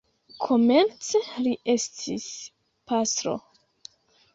Komence li estis pastro.